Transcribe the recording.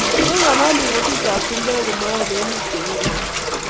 mangololi kutit ab chumbek ko mayai lelut che ng'ering'